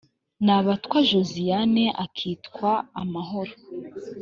nabatwa josiane akitwa amahoro